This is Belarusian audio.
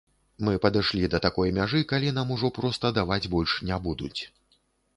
Мы падышлі да такой мяжы, калі нам ужо проста даваць больш не будуць.